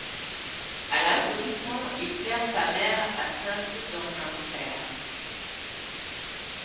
À l'âge de huit ans, il perd sa mère atteinte d'un cancer.